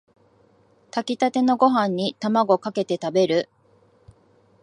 炊きたてのご飯にタマゴかけて食べる